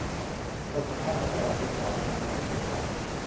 บทสุดท้ายของประวัติศาสตร์เมืองยังไม่ถูกเปิด